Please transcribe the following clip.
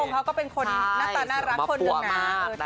ก็จะเป็นคนห้ะละนะ